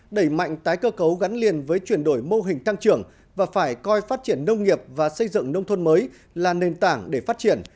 đẩy mạnh tái cơ cấu gắn liền với chuyển đổi mô hình tăng trưởng và phải coi phát triển nông nghiệp và xây dựng nông thôn mới là nền tảng để phát triển